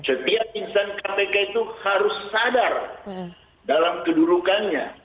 setiap insan kpk itu harus sadar dalam kedudukannya